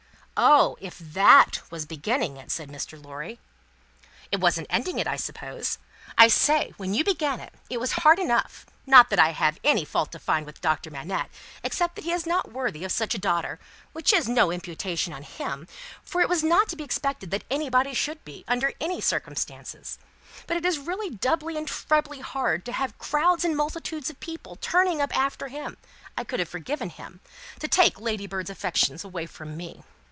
"Oh! If that was beginning it " said Mr. Lorry. "It wasn't ending it, I suppose? I say, when you began it, it was hard enough; not that I have any fault to find with Doctor Manette, except that he is not worthy of such a daughter, which is no imputation on him, for it was not to be expected that anybody should be, under any circumstances. But it really is doubly and trebly hard to have crowds and multitudes of people turning up after him (I could have forgiven him), to take Ladybird's affections away from me."